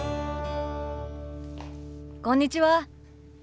こんにちは。